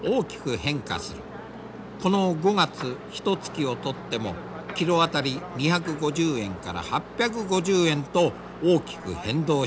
この５月ひとつきを取ってもキロ当たり２５０円から８５０円と大きく変動している。